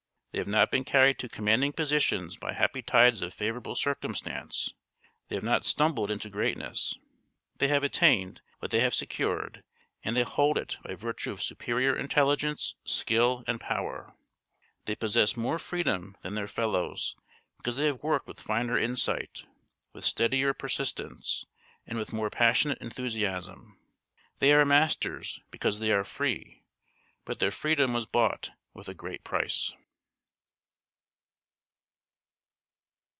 They have not been carried to commanding positions by happy tides of favourable circumstance; they have not stumbled into greatness; they have attained what they have secured and they hold it by virtue of superior intelligence, skill, and power. They possess more freedom than their fellows because they have worked with finer insight, with steadier persistence, and with more passionate enthusiasm. They are masters because they are free; but their freedom was bought with a great price.